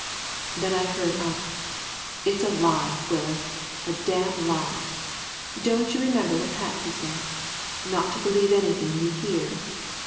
Then I heard Ump. "It's a lie, Quiller, a damn lie. Don't you remember what Patsy said? Not to believe anything you hear?